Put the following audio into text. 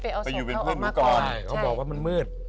ไปอยู่เป็นเพื่อนหนูก่อน